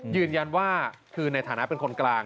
ยืนยันว่าคือในฐานะเป็นคนกลาง